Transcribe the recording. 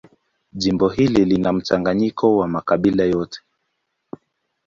Jimbo hili lina mchanganyiko wa makabila yote.